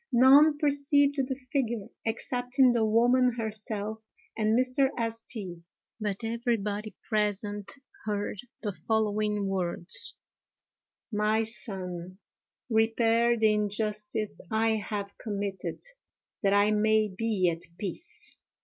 None perceived the figure excepting the woman herself and Mr. St. ——; but everybody present heard the following words: "My son, repair the injustice I have committed, that I may be at peace!"